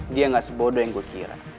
dia gak sebodoh yang gue kira